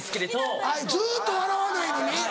あっずっと笑わないのに。